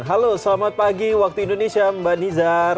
halo selamat pagi waktu indonesia mbak nizar